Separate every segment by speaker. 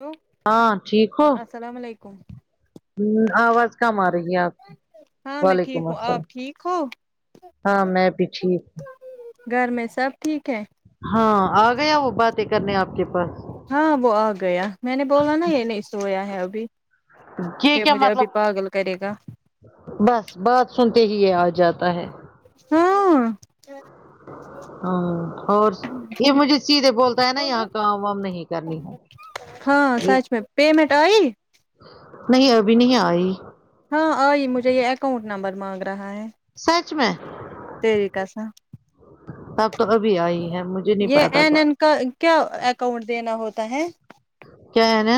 Speaker 1: hello
Speaker 2: ہاں ٹھیک ہو
Speaker 1: السلام علیکم
Speaker 2: ہ آواز کم آ رہی ہے آپ کی
Speaker 1: ہاں میں
Speaker 2: وعلیکم
Speaker 1: ٹھیک ہوں
Speaker 2: السلام
Speaker 1: آپ ٹھیک ہو
Speaker 2: ہاں میں بھی ٹھیک ہوں
Speaker 1: گھر میں سب ٹھیک ہے
Speaker 2: ہاں آ گیا وہ باتیں کرنے آپ کے پاس
Speaker 1: ہاں وہ آ گیا میں نے بولا نا یہ نہیں سویا ہے ابھی
Speaker 2: یہ
Speaker 1: پھر
Speaker 2: کیا
Speaker 1: مجھے
Speaker 2: مطلب
Speaker 1: ابھی پاگل کرے گا
Speaker 2: بس بات سنتے ہی یہ آ جاتا ہے
Speaker 1: ہاں
Speaker 2: ہ اور یہ مجھے سیدھے بولتے
Speaker 1: ہاں سچ میں پیمنٹ آئیی
Speaker 2: نہیں ابھی نہیں آئی
Speaker 1: ہاں آئی مجھے یہ اکاؤنٹ نمبر مانگ رہا ہے
Speaker 2: سچ میں
Speaker 1: تری کا سا
Speaker 2: اب تو ابھی آئی ہیں مجھے نہیں
Speaker 1: یہ
Speaker 2: پا گا
Speaker 1: این
Speaker 2: تا
Speaker 1: این کا کیا اکاؤنٹ دینا ہوتا ہے
Speaker 2: کیا ہے نہ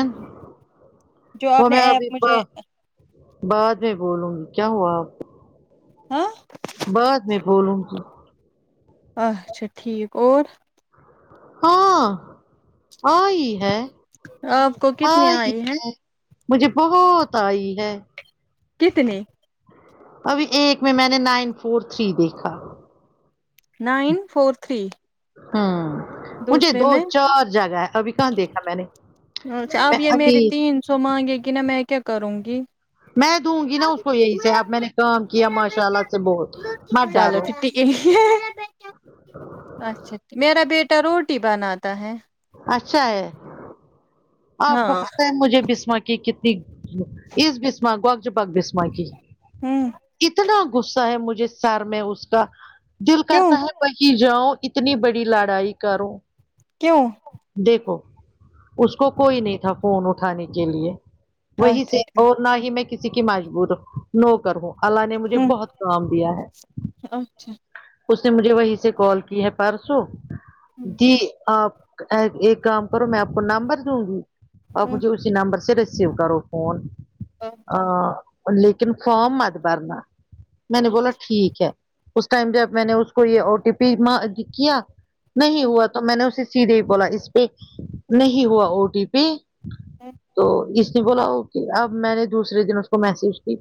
Speaker 1: جو
Speaker 2: وہ
Speaker 1: آپ نے
Speaker 2: میں ابھی
Speaker 1: ایپ
Speaker 2: پا
Speaker 1: مجھے
Speaker 2: بعد میں بولوں گی کیا ہوا آپ
Speaker 1: ہاں
Speaker 2: بعد میں بولوں گی
Speaker 1: اچھا ٹھیک اور
Speaker 2: ہاں آئی ہے
Speaker 1: آپ کو کتنی
Speaker 2: آئی ہے مجھے بہت آئی ہے
Speaker 1: کتنی
Speaker 2: ابھی ایک میں میں نے نائن فور تھری دیکھا
Speaker 1: نائن فور تھری
Speaker 2: ہوں مجھے
Speaker 1: دوسرے
Speaker 2: دو
Speaker 1: میں
Speaker 2: چار جگہ ہے ابھی کہاں دیکھا میں نے
Speaker 1: اچھا اب
Speaker 2: میں
Speaker 1: یہ میری
Speaker 2: ابھی
Speaker 1: تین سو مانگے گی نا میں کیا کروں گی
Speaker 2: میں دوں گی نا اس کو یہی سے اب میں نے کام کیا ماشاء اللہ سے بہت مت
Speaker 1: چلو
Speaker 2: ڈرو
Speaker 1: ٹھیک اچھا میرا بیٹا روٹی بناتا ہے
Speaker 2: اچھا ہے آپ کو
Speaker 1: ہاں
Speaker 2: پتا ہے مجھے بسما کتنی اس بسما کو اک جپک بسما کی
Speaker 1: ہوں
Speaker 2: کتنا غصہ ہے مجھے سر میں اس کا دل
Speaker 1: کیوں
Speaker 2: کرتا ہے وہیں جاؤ اتنی بڑی لڑائی کرو
Speaker 1: کیوں
Speaker 2: دیکھو اس کو کوئی نہیں تھا فون اٹھانے کے لیے
Speaker 1: اچھا
Speaker 2: وہی سے
Speaker 1: ٹھیک
Speaker 2: اور نہ ہی میں کسی کی مجبور ہوں نو کر ہوں اللہ نے مجھے
Speaker 1: ہوں
Speaker 2: بہت کام دیا ہے
Speaker 1: اچھا
Speaker 2: اس نے مجھے وہی سے کال کی ہے پرسو دی آپ ایک کام کرو میں آپ کو نمبر دوں گی آپ
Speaker 1: ہوں
Speaker 2: مجھے اسی نمبر سے رسیو کرو فون
Speaker 1: اچھا
Speaker 2: لیکن فارم مت بھرنا میں نے بولا ٹھیک ہے اس ٹائم جب میں نے اس کو یہ او ٹی پی کیا نہیں
Speaker 1: ہوں
Speaker 2: ہوا تو میں نے اسی سیدھے بولا اس پہ نہیں ہوا او ٹی پی تو اس نے بولا ا اب میں نے دوسرے دن اس کو میسج کی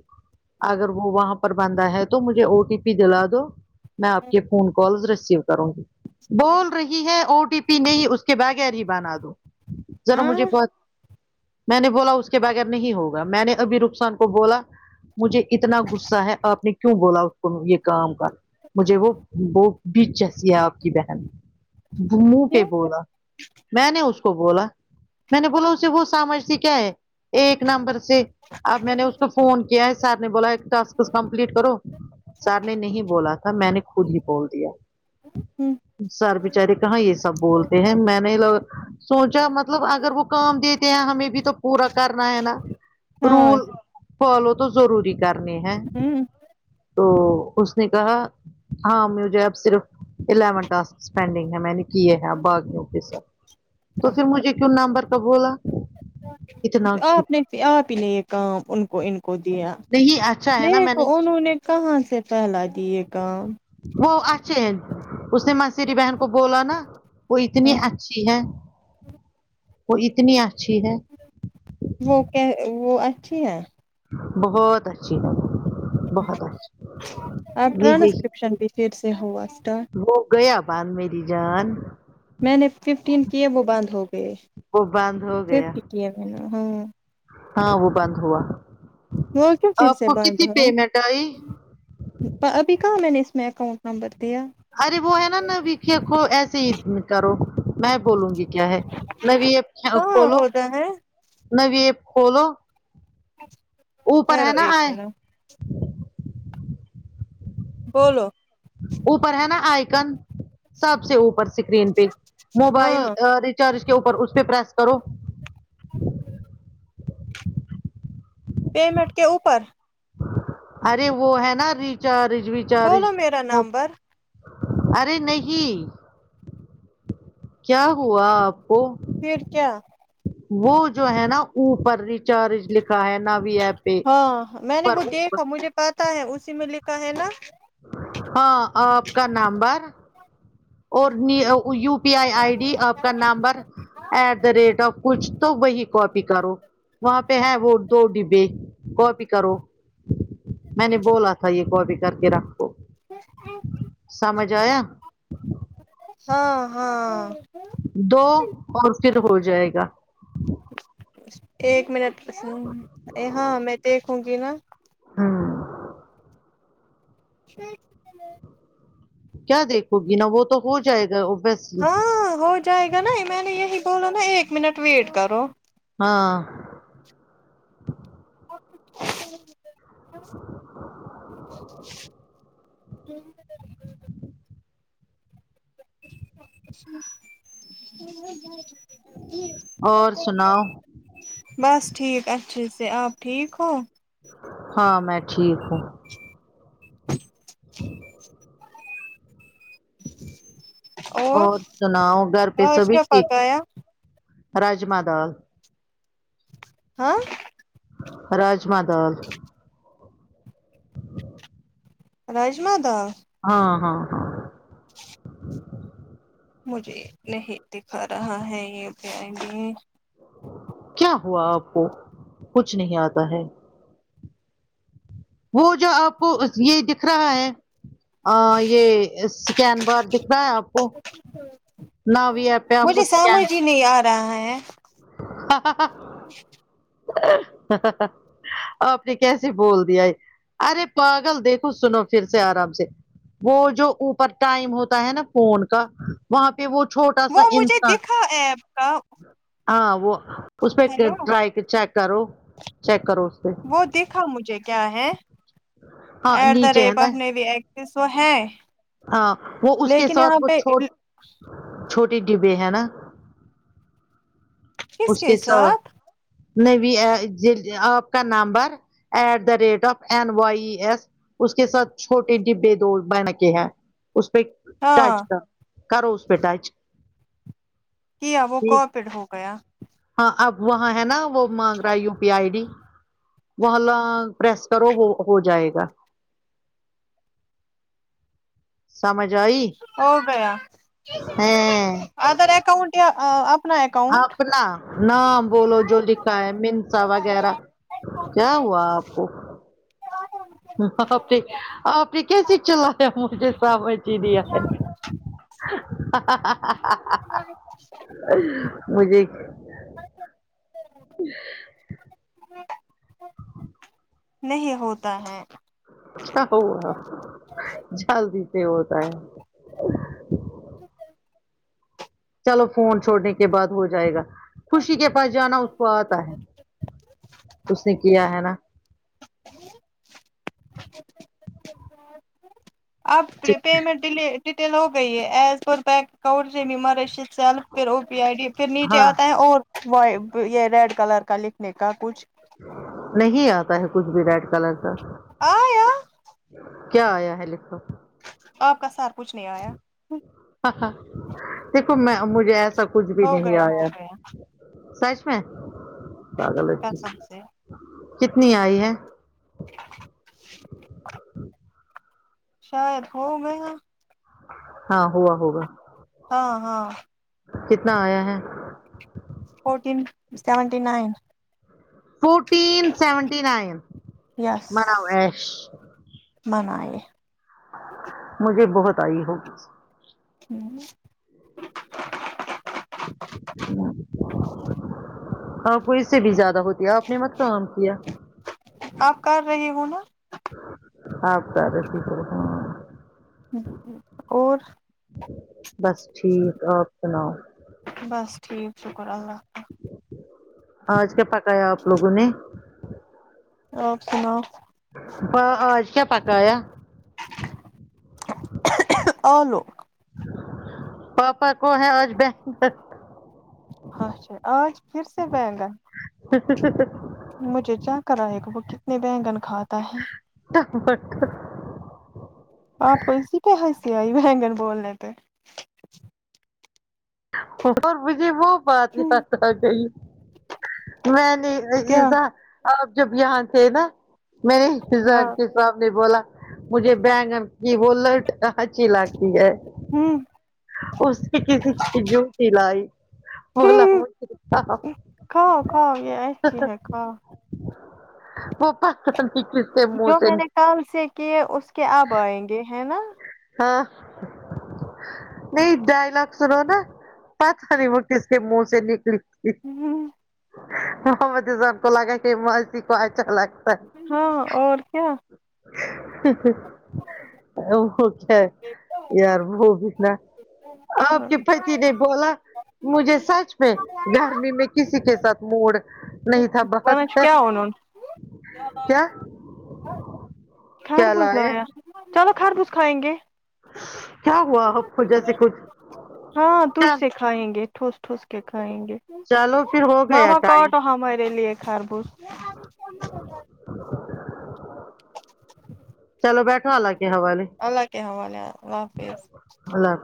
Speaker 2: اگر وہ وہاں پر بند ہے تو مجھے او ٹی پی دلادو میں آپ کے فون کالز ریسیو کروں گی بول رہی ہے او ٹی پی نہیں اس کے بغیر ہی بنا دو ذرا مجھے
Speaker 1: ہاں
Speaker 2: بہ میں نے بولا اس کے بغیر نہیں ہوگا میں نے ابھی رخسان کو بولا مجھے اتنا غصہ ہے آپ نے کیوں بولا اس کو یہ کام مجھے وہ وہ بھی جیسی ہے آپ کی بہن منہ
Speaker 1: کیوں
Speaker 2: پ بولا میں نے اس کو بولا میں نے بولا اسے وہ سمجھتی کیا ہے ایک نمبر سے اب میں نے اس کو فون کیا ہے سر نے بولا ٹاسک کمپلیٹ کرو سر نے نہیں بولا تھا میں نے خود ہی بول دیا
Speaker 1: ہوں
Speaker 2: سر بیچارے کہاں یہ سب بولتے ہیں میں نے لوگ سوچا مطلب اگر وہ کام دیتے ہیں ہمیں بھی تو پورا کرنا ہے نا
Speaker 1: ہاں
Speaker 2: رول فالو تو ضروری کرنے ہے
Speaker 1: ہوں
Speaker 2: تو اس نے کہا ہاں مجھے اب صرف الیون ٹاسک پینڈنگ ہے میں نے کی ہے باغیوں کے ساتھ تو پھر مجھے کیوں نمبر کا بولا اتنا
Speaker 1: آپ نے آپ ہی نے یہ کام ان کو ان کو دیا
Speaker 2: نہیں اچھا ہے نا میں نے
Speaker 1: دیکھو انہوں نے کہاں سے پھیلا دیے کام
Speaker 2: وہ اچھ ا اس نے مسیری بہن کو بولا نا وہ اتنی
Speaker 1: ہوں
Speaker 2: اچھی ہے وہ اتنی اچھی ہے
Speaker 1: وہ کہ وہ اچھی ہے
Speaker 2: بہت اچھی ہے وہ بہت اچھی
Speaker 1: اب
Speaker 2: یہ یہ
Speaker 1: ٹرانسکرپشن بھی پھر سے ہوا اسٹارٹ
Speaker 2: وہ گیا باند میری جان
Speaker 1: میں نے ففٹین کیے وہ بند ہو گئے
Speaker 2: وہ باندھ ہو گیا
Speaker 1: ففٹین کیے میں نے ہاں
Speaker 2: ہاں وہ بند ہوا
Speaker 1: وہ کیوں پھر
Speaker 2: آپ
Speaker 1: سے
Speaker 2: کو
Speaker 1: بند
Speaker 2: کتنی
Speaker 1: ہو
Speaker 2: پیمنٹ آئی
Speaker 1: ابھی کہاں میں نے اس میں اکاؤنٹ نمبر دیا
Speaker 2: ارے وہ ہے نا نوی کیا کو ایسے ہی کرو میں بولوں گی کیا ہے نوی کیا ایپ
Speaker 1: کہاں
Speaker 2: کھولو
Speaker 1: ہوتا ہے
Speaker 2: نوی ایپ کھولو اوپر ہے
Speaker 1: ٹھہرو
Speaker 2: نا
Speaker 1: ایک
Speaker 2: آئے
Speaker 1: منٹ بولو
Speaker 2: اوپر ہے نا آئکن سب سے اوپر اسکرین پہ
Speaker 1: ہاں
Speaker 2: موبائل چر کے اوپر اس پہ پریس کرو
Speaker 1: [inaudible] پیمنٹ کے اوپر
Speaker 2: ارے وہ ہے نا ریچارج ویچارج
Speaker 1: بولو میرا نمبر
Speaker 2: ارے نہیں کیا ہوا آپ کو
Speaker 1: پھر کیا
Speaker 2: وہ جو ہے نا اوپر ریچارج لکھا ہے ناوی ایپ پہ
Speaker 1: ہاں میں نے
Speaker 2: پر
Speaker 1: وہ
Speaker 2: اوپر
Speaker 1: دیکھا مجھے پا تا ہے اسی میں لکھا ہے نا
Speaker 2: ہاں آپ کا نمبر اور U P I I D آپ کا number at the rate of کچھ تو وہی کاپی کرو وہاں پہ ہے وہ دو ڈبے کاپی کرو میں نے بولا تھا یہ کاپی کر کے رکھو
Speaker 1: [inaudible]
Speaker 2: سمجھ آیا
Speaker 1: ہاں ہاں
Speaker 2: دو اور پھر ہو جائے گا
Speaker 1: ایک منٹ ہاں میں دیکھوں گی نا
Speaker 2: ہوں
Speaker 1: [inaudible]
Speaker 2: کیا دیکھو گی نا وہ تو ہو جائے گا وہ بس
Speaker 1: ہاں ہو جائے گا نا میں نے یہی بولا نا ایک منٹ ویٹ کرو
Speaker 2: ہاں
Speaker 1: [inaudible] [inaudible] [inaudible] جی اور [inaudible] بس ٹھیک اچھے سے آپ ٹھیک ہو
Speaker 2: ہاں میں ٹھیک ہوں اور سناؤ گھر پہ
Speaker 1: آج
Speaker 2: سبھی
Speaker 1: کیا
Speaker 2: ٹھیک
Speaker 1: پکایا
Speaker 2: راجما دال
Speaker 1: ہاں
Speaker 2: راجما دال
Speaker 1: راجما دال
Speaker 2: ہاں ہاں ہاں
Speaker 1: مجھے نہیں دکھا رہا ہے یہ کہیں بھی
Speaker 2: کیا ہوا آپ کو کچھ نہیں آتا ہے وہ جو آپ کو یہ دکھ رہا ہے آ یہ سکین بار دکھ رہا ہے آپ کو نہ وی ایپ پے آپکو
Speaker 1: مجھے
Speaker 2: اسکین
Speaker 1: سمجھ ہی نہیں آ رہا ہے
Speaker 2: آپ نے کیسے بول دیا ہے ارے پاگل دیکھو سنو پھر سے آرام سے وہ جو اوپر ٹائم ہوتا ہے نا فون کا وہاں پہ وہ چھوٹا سا انسان
Speaker 1: ہاں ایپ کا
Speaker 2: ہاں وہ اس پہ
Speaker 1: ہیلو
Speaker 2: ٹرائی پہ چیک کرو چیک کرو پہ
Speaker 1: وہ دیکھا مجھے کیا ہے
Speaker 2: ہاں
Speaker 1: ایٹ دا
Speaker 2: نیچے ہے
Speaker 1: ریٹ
Speaker 2: نا
Speaker 1: آف نیوی ایکسس وہ ہے
Speaker 2: ہاں
Speaker 1: لیکن یہاں پہ
Speaker 2: چھوٹی ڈبی بی ہے نا اس کے ساتھ نےوی ایپ جی آپ کا number at the rate of N Y S اس کے ساتھ چھوٹے ڈبی بی دو بن کے ہیں اس پہ ٹچ
Speaker 1: ہاں
Speaker 2: کر کرو اس پہ ٹچ
Speaker 1: کیا وہ
Speaker 2: جی
Speaker 1: کورپیڈ ہو گیا
Speaker 2: ہاں اب وہاں ہے نا وہ مانگ رہا ہے یو پی آئی ڈی محلہ پریس کرو وہ ہو جائے گا سمجھ آئی
Speaker 1: ہو گیا
Speaker 2: ہے
Speaker 1: ادر اکاؤنٹ یا آ اپنا اکاؤنٹ
Speaker 2: اپنا نہ بولو جو لکھا ہے منسا وغیرہ کیا ہوا آپ کو یہ کیسے چلایا مجھے سامج ہی نیا یا مجھے
Speaker 1: نہیں ہوتا ہے
Speaker 2: کیا ہوا جلدی سے ہوتا ہے چلو فون چھوڑنے کے بعد ہو جائے گا خوشی کے پاس جانا اس کو آتا ہے اس نے کیا ہے نا
Speaker 1: آپ کری پیمنٹ ڈی ڈیٹیل ہو گئی ہے ایز پر بینک اکاؤنٹ سے بھیماراش سیل پھر او پی آئی ڈی پھر نیچے
Speaker 2: ہاں
Speaker 1: آتا ہے اور و یہ ریڈ کلر کا لکھنے کا کچھ
Speaker 2: نہیں آتا ہے کچھ بھی ریڈ کلر کا
Speaker 1: آ یا
Speaker 2: کیا آیا ہے لکھو
Speaker 1: آپ کا سر کچھ نہیں آیا
Speaker 2: آہادیکھو میں مجھے ایسا کچھ بھی
Speaker 1: ہو
Speaker 2: نہیں
Speaker 1: گیا ہو
Speaker 2: آیا
Speaker 1: گیا
Speaker 2: سچ میں بارہ پچیس
Speaker 1: قسم سے
Speaker 2: کتنی آئی ہے
Speaker 1: شاید ہوم میں ہے
Speaker 2: ہاں ہوا ہوگا
Speaker 1: ہاں ہاں
Speaker 2: کتنا آیا ہے
Speaker 1: fourteen seventy nine
Speaker 2: fourteen seventy nine
Speaker 1: yes
Speaker 2: مناؤ ایش
Speaker 1: منائے
Speaker 2: مجھے بہت آئی ہوگی
Speaker 1: کیا
Speaker 2: آپ کو اس سے بھی زیادہ ہوتی ہے آپ نے مت کام کیا
Speaker 1: آپ کر رہی ہو نا
Speaker 2: آپ [unintelligible] ہاں
Speaker 1: اور
Speaker 2: بس ٹھیک آپ سناؤ
Speaker 1: بس ٹھیک شکر اللہ کا
Speaker 2: آج کیا پکایا آپ لوگوں نے
Speaker 1: آپ سناؤ
Speaker 2: ہاں آج کیا پکایا
Speaker 1: الو
Speaker 2: پاپا کو ہے آج بیگن
Speaker 1: اچھا آج پھر سے بیگن
Speaker 2: [unintelligible]
Speaker 1: مجھے چکرائے گا وہ کتنے بینگن کھاتا ہے
Speaker 2: [unintelligible]
Speaker 1: آپ کو اسی پہ ہنسی آئی بینگن بولنے پے
Speaker 2: اور مجھے وہ بات یاد آ گئی میں نے
Speaker 1: کیا
Speaker 2: عزیزہ آپ جب یہاں تھے نا میں نے
Speaker 1: ہاں
Speaker 2: [unintelligible] کے تو آپ نے بولا مجھے بینگن کی بولٹ اچھی لگتی ہے
Speaker 1: ھمم
Speaker 2: اس نے کسی کی جوتی لائی و [unintelligible]
Speaker 1: کھاؤ کھاؤ یہ اچھی ہے کھاؤ
Speaker 2: وہ [unintelligible]
Speaker 1: جو
Speaker 2: سے
Speaker 1: میں نے کل سے کیے اس کے اب آئیں گے ہے نا
Speaker 2: ہاں نہیں ڈائلگ سنو نا پتا نہیں وہ کس کے منہ سے نکلی تھی
Speaker 1: ھمم
Speaker 2: محمد رزان کو لگا کہ ماسی کو اچھا لگا
Speaker 1: ہاں اور کیا
Speaker 2: ہ ہ
Speaker 1: ہ ج
Speaker 2: ان کو کیا ہے یار وہ بھی نہ آپ کے پتی نے بولا مجھے سچ میں گرمی میں کسی کے ساتھ موڑ نہیں تھا بات
Speaker 1: ورنہ
Speaker 2: کر
Speaker 1: کیا انہوں نے
Speaker 2: کیا
Speaker 1: خربوز لایا چلو خربوز کھائیں گے
Speaker 2: کیا ہوا آپکو جیسے کچھ
Speaker 1: ہاں تجھ
Speaker 2: چل
Speaker 1: سے کھائیں گے ٹھوس ٹھوس کے کھائیں گے
Speaker 2: چلو پھر ہو گیا
Speaker 1: ماما
Speaker 2: ٹائم
Speaker 1: کاٹو ہمارے لیے خربوس
Speaker 2: چلو بیٹھو اللہ کے حوالے
Speaker 1: اللہ کے حوالے اللہ حافظ
Speaker 2: اللہ